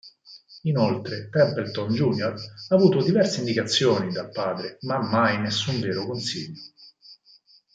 Inoltre Templeton jr. ha avuto diverse indicazioni dal padre ma mai nessun vero consiglio.